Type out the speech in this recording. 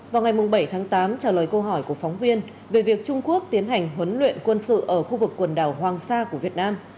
vào ngày bảy tháng tám trả lời câu hỏi của phóng viên về việc trung quốc tiến hành huấn luyện quân sự ở khu vực quần đảo hoàng sa của việt nam